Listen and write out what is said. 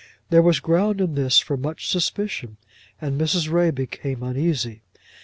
There was ground in this for much suspicion, and Mrs. Ray became uneasy.